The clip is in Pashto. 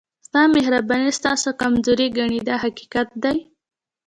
ستا مهرباني ستاسو کمزوري ګڼي دا حقیقت دی.